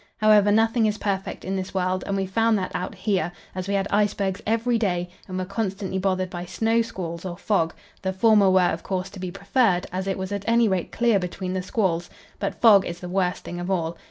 However, nothing is perfect in this world, and we found that out here, as we had icebergs every day, and were constantly bothered by snow squalls or fog; the former were, of course, to be preferred, as it was at any rate clear between the squalls; but fog is the worst thing of all.